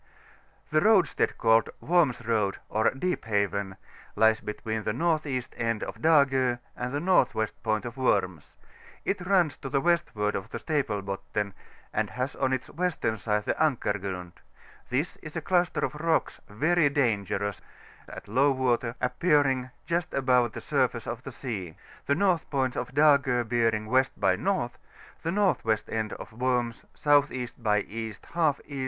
The roadstead called Worms Road, or Deep Haven, lies between the N.E. end of Dago and the N.W. pomt of Worms; it runs m to the westward of the Staple Botten, and has on its western side the Ankar Chround: this is a cluster of rocks very dangerous, at low water, appearing just above the surface of the sea, the north point ^Dago bearing W. by N. ; the N.W. end of Worms S.E. by E. J E.